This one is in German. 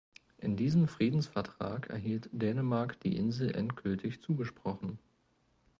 In diesem Friedensvertrag erhielt Dänemark die Insel endgültig zugesprochen.